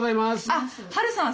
あっハルさん